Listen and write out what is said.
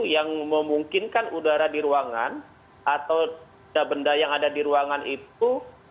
yang memungkinkan udara di ruangan atau benda benda yang ada di ruangan itu